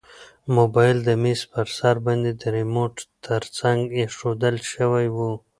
موبایل د میز په سر باندې د ریموټ تر څنګ ایښودل شوی و.